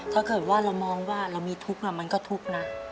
ถ้าเกิดว่าเรามองว่าเรามีทุกข์มันก็ทุกข์นะ